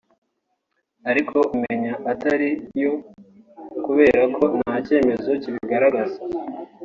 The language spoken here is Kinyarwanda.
ariko umenya atari yo kubera ko nta cyemezo kibigaragaza